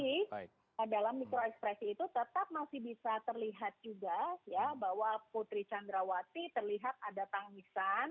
nah dalam mikro ekspresi itu tetap masih bisa terlihat juga ya bahwa putri candrawati terlihat ada tangisan